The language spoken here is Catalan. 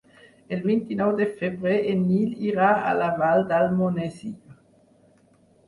El vint-i-nou de febrer en Nil irà a la Vall d'Almonesir.